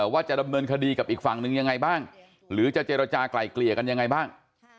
ว่าจะดำเนินคดีกับอีกฝั่งหนึ่งยังไงบ้างหรือจะเจรจากลายเกลี่ยกันยังไงบ้าง